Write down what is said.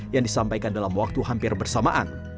yang disampaikan dalam waktu hampir bersamaan